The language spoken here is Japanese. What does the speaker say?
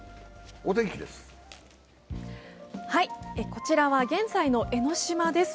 こちらは現在の江の島です。